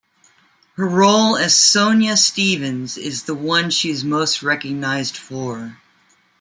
Her role as Sonia Stevens is one she is most recognized for.